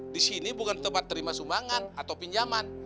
di sini bukan tempat terima sumbangan atau pinjaman